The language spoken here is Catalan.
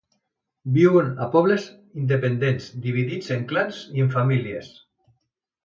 Viuen a pobles independents dividits en clans i en famílies.